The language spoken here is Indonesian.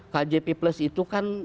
kjp plus itu kan